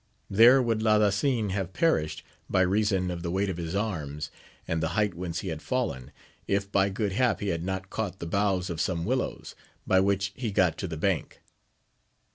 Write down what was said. There would Ladasin have perished, 19—2 292 AMADIS OF GAUL. by reason of the weight of his arms, and the height whence he had fallen, if by good hap he had not caught the boaghs of some willows, by which he got to the bank.